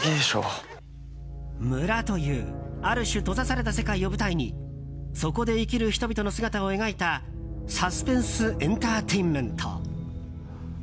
村という、ある種閉ざされた世界を舞台にそこで生きる人々の姿を描いたサスペンスエンターテインメント。